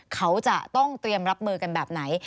เขาจะต้องเตรียมรับมือกันแบบไหน